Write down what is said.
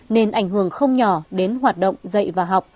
nên ảnh hưởng không nhỏ đến hoạt động dạy và học